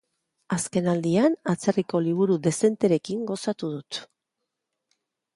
Azkenaldian, atzerriko liburu dezenterekin gozatu dut.